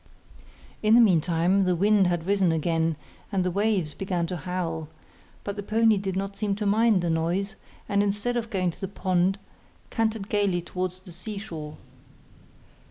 In the meantime the wind had risen again, and the waves began to howl; but the pony did not seem to mind the noise, and instead of going to the pond, cantered gaily towards the sea shore.